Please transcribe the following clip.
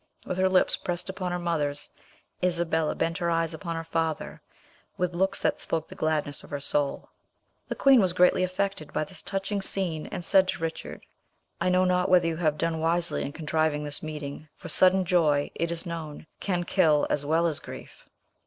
With her lips pressed upon her mother's, Isabella bent her eyes upon her father, with looks that spoke the gladness of her soul. The queen was greatly affected by this touching scene, and said to Richard, "I know not whether you have done wisely in contriving this meeting, for sudden joy, it is known, can kill as well as grief."